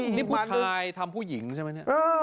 นี้ผู้ชายทำผู้หญิงใช่ไหม